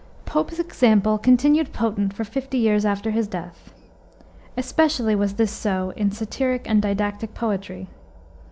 Pope's example continued potent for fifty years after his death. Especially was this so in satiric and didactic poetry.